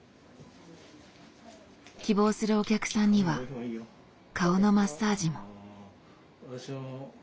希望するお客さんには顔のマッサージも。